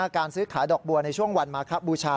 การซื้อขายดอกบัวในช่วงวันมาคบูชา